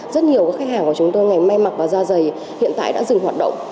rất nhiều khách hàng của chúng tôi ngày mai mặc và da dày hiện tại đã dừng hoạt động